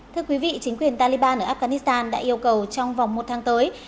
thưa quý vị chính quyền taliban ở afghanistan đã yêu cầu trong vòng một tháng tới